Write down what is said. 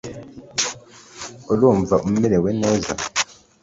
Urumva umerewe neza